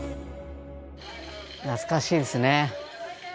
懐かしいですね。